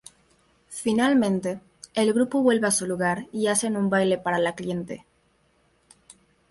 Finalmente, el grupo vuelve a su lugar y hacen un baile para la cliente.